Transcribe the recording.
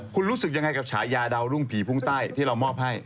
คุณรู้สึกยังไงกับฉายาดาวรุ่งผีพุ่งใต้ที่เรามอบให้